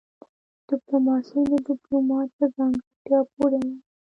ډيپلوماسي د ډيپلومات په ځانګړتيا پوري اړه لري.